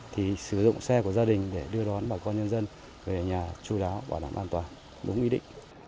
thì sử dụng xe của gia đình để đưa đón bà con nhân dân về nhà chú đáo bảo đảm an toàn đúng ý định